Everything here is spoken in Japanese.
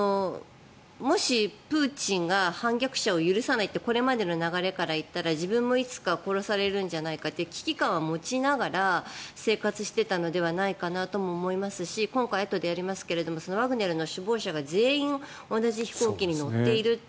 もしプーチンが反逆者を許さないとこれまでの流れで行ったら自分もいつか殺されるんじゃないかという危機感は持ちながら生活をしていたのではないかなと思いますし今回、あとでやりますがワグネルの首謀者が全員同じ飛行機に乗っている。